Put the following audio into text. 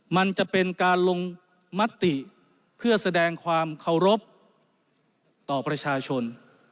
มันจะเป็นการลงมติเพื่อแสดงความเคารพต่อประชาชน